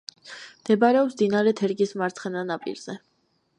მდებარეობს მდინარე თერგის მარცხენა ნაპირზე.